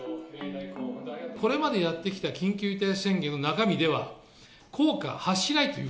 これまでやってきた緊急事態宣言の中身では、効果は発しないという。